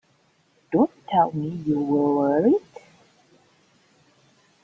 Don't tell me you were worried!